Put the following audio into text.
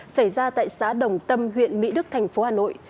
xảy ra tại xã đồng tâm huyện mỹ đức thành phố hà nội